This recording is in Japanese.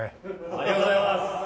ありがとうございます！